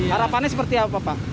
harapannya seperti apa pak